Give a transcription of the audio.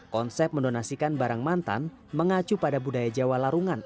konsep mendonasikan barang mantan mengacu pada budaya jawa larungan